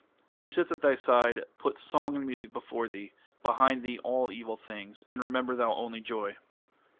She sits at thy side. Put song and music before thee, Behind thee all evil things, And remember thou (only) joy.